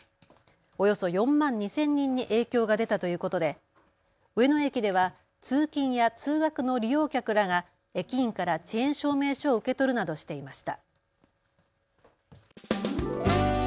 およそ４万２０００人に影響が出たということで上野駅では通勤や通学の利用客らが駅員から遅延証明書を受け取るなどしていました。